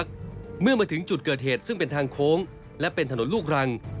เกิดเหตุซึ่งเป็นทางโค้งและเป็นถนนลูกรัง